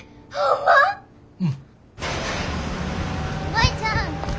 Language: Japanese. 舞ちゃん